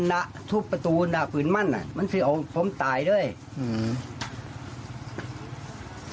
น่ะทุบประตูน่ะผืนมั่นอ่ะมันสิเอาผมตายด้วยอืม